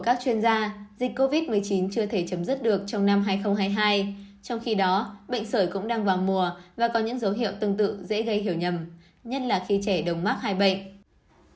các chuyên gia dịch covid một mươi chín chưa thể chấm dứt được trong năm hai nghìn hai mươi hai trong khi đó bệnh sởi cũng đang vào mùa và có những dấu hiệu tương tự dễ gây hiểu nhầm nhất là khi trẻ đồng mắc hai bệnh